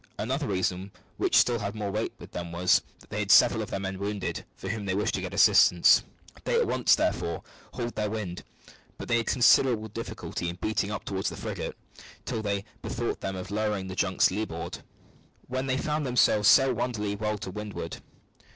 Another reason which had still more weight with them was, that they had several of their men wounded, for whom they wished to get assistance. They at once, therefore, hauled their wind, but they had considerable difficulty in beating up toward the frigate, till they bethought them of lowering the junks' leeboard, when they found them sail wonderfully well to windward.